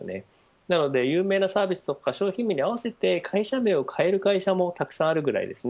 なので、有名なサービスや商品名に合わせて会社名を変える会社もたくさんあるぐらいです。